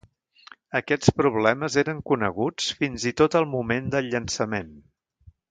Aquests problemes eren coneguts fins i tot al moment del llançament.